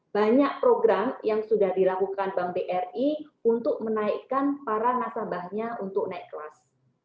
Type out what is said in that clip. banyak program yang sudah dilakukan bank bri untuk menaikkan para nasabahnya untuk naik kelas